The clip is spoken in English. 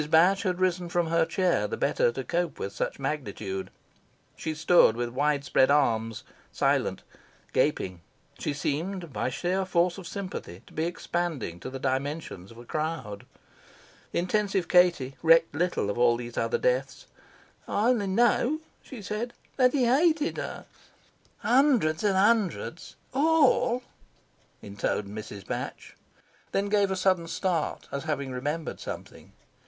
Batch had risen from her chair, the better to cope with such magnitude. She stood with wide spread arms, silent, gaping. She seemed, by sheer force of sympathy, to be expanding to the dimensions of a crowd. Intensive Katie recked little of all these other deaths. "I only know," she said, "that he hated her." "Hundreds and hundreds ALL," intoned Mrs. Batch, then gave a sudden start, as having remembered something.